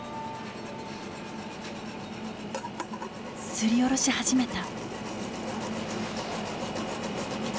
すりおろし始めた。